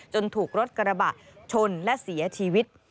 ถูกรถกระบะชนและเสียชีวิต